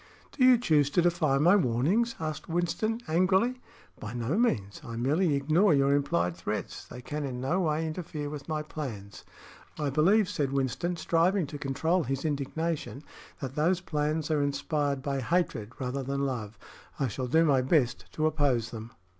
"Do you choose to defy my warnings?" asked Winston, angrily. "By no means. I merely ignore your implied threats. They can in no way interfere with my plans." "I believe," said Winston, striving to control his indignation, "that those plans are inspired by hatred rather than love. I shall do my best to oppose them."